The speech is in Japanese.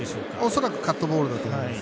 恐らくカットボールだと思います。